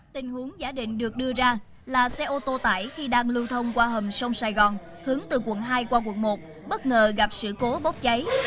tình huống giả định được đưa ra là xe ô tô tải khi đang lưu thông qua hầm sông sài gòn hướng từ quận hai qua quận một bất ngờ gặp sự cố bốc cháy